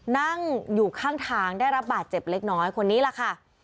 นั่งอยู่ข้างทางได้รับบาดเจ็บเล็กน้อยคนนี้แหละค่ะ